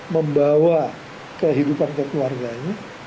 membawa kehidupan kekeluarganya